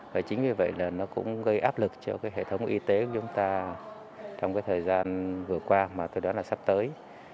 và chính vì vậy là nó cũng gây áp lực cho cái hệ thống y tế của chúng ta trong cái thời gian vừa qua mà tôi nói là sắp tới